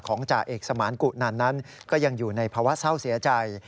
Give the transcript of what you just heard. จ่าเอกสมานกุนันนั้นก็ยังอยู่ในภาวะเศร้าเสียใจ